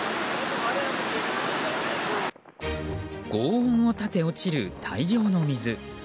轟音を立て落ちる大量の水。